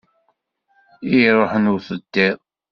I iṛuḥen, ur teddiḍ!